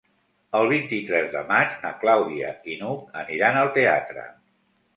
El vint-i-tres de maig na Clàudia i n'Hug aniran al teatre.